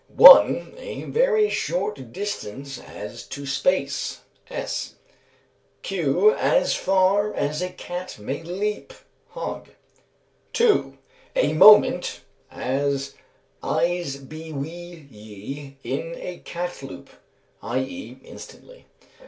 _ 1. A very short distance as to space (S.); q. as far as a cat may leap (HOGG). 2. A moment; as, "I'se be wi' ye in a catloup" i.e., instantly.